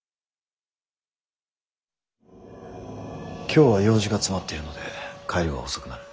今日は用事が詰まっているので帰りは遅くなる。